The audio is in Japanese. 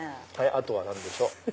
あとは何でしょう？